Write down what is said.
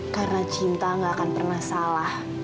karena cinta gak akan pernah salah